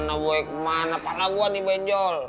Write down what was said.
aku mau pujian besok